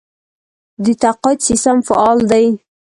د تقاعد سیستم فعال دی؟